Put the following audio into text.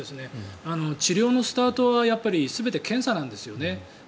治療のスタートは全て検査なんですよね。